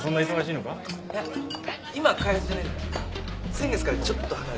先月からちょっと離れてる。